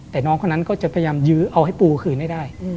แต่น้องคนนั้นก็จะพยายามยื้อเอาให้ปูคืนให้ได้